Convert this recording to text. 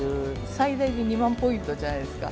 最大で２万ポイントじゃないですか。